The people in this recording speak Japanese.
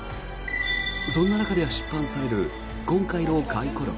そんな中で出版される今回の回顧録。